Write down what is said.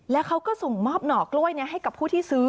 แล้วเขาก็ส่งมอบหน่อกล้วยนี้ให้กับผู้ที่ซื้อ